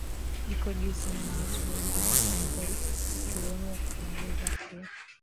iko juu sana na watu wengi wanajitokeza ilikwenda kumaliza hii